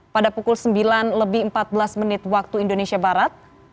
pada pukul sembilan lebih empat belas menit waktu indonesia barat